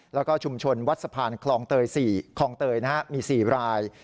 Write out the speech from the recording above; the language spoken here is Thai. แล้วก็ชุมชนวัดสะพานคลองเตย๔มี๔ราย